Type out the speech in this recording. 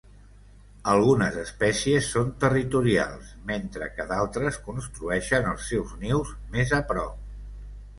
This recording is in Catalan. Algunes espècies són territorials, mentre que d'altres construeixen els seus nius més a prop.